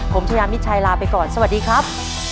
ผมชายามิดชัยลาไปก่อนสวัสดีครับ